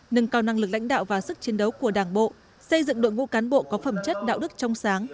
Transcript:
nâng cao năng lực lãnh đạo và sức chiến đấu của đảng bộ xây dựng đội ngũ cán bộ có phẩm chất đạo đức trong sáng